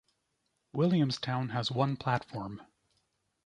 Williamstown has one platform.